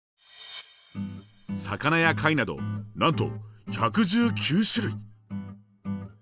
魚や貝などなんと１１９種類！